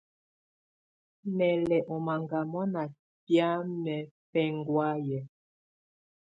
Mè lɛ̀ ɔ́ mangamɔ ná biamɛ̀á bɛ̀nhɔ̀áyɛ̀.